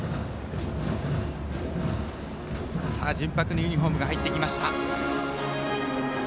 純白のユニフォームが入ってきました。